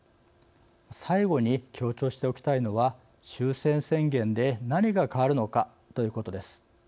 最後に強調しておきたいのは終戦宣言で何が変わるのかということです。